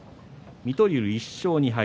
水戸龍、１勝２敗。